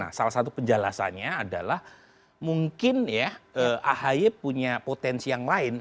nah salah satu penjelasannya adalah mungkin ya ahy punya potensi yang lain